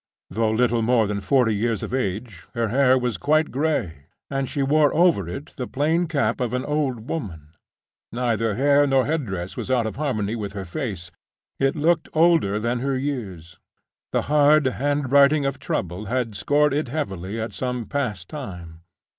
Though little more than forty years of age, her hair was quite gray; and she wore over it the plain cap of an old woman. Neither hair nor head dress was out of harmony with her face—it looked older than her years: the hard handwriting of trouble had scored it heavily at some past time.